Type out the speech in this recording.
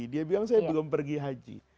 dia bilang saya belum pergi haji